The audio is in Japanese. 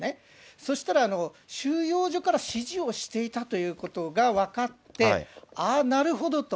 そしたら、収容所から指示をしていたということが分かって、ああ、なるほどと。